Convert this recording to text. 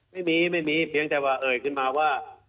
ไม่มีไม่มีเพียงแต่ว่าเอ่ยขึ้นมาว่า